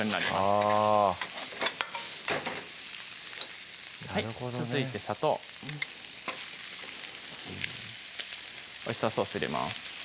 あぁなるほどね続いて砂糖オイスターソース入れます